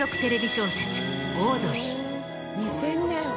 ２０００年。